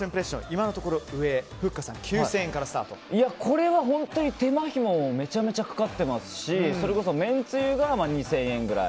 今のところ上はふっかさんこれは本当に手間暇もめちゃくちゃかかってますしそれこそめんつゆが２０００円くらい。